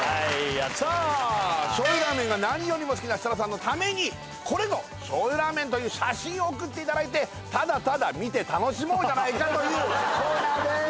さあ醤油ラーメンが何よりも好きな設楽さんのためにこれぞ醤油ラーメンという写真を送っていただいてただただ見て楽しもうじゃないかというコーナーです！